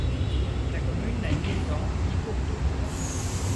La commune n'a ni étangs ni cours d'eau.